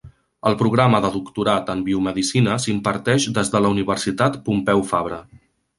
El programa de doctorat en Biomedicina s'imparteix des de la Universitat Pompeu Fabra.